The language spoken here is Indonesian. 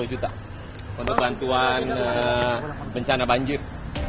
rp empat puluh juta untuk bantuan bencana banjir